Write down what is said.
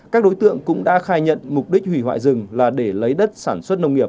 các đối tượng cũng đã khai nhận mục đích hủy hoại rừng là để lấy đất sản xuất nông nghiệp